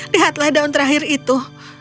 lihatlah daun terakhir itu